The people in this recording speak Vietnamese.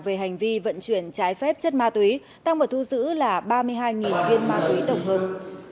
về hành vi vận chuyển trái phép chất ma túy tăng vào thu giữ là ba mươi hai viên ma túy tổng hợp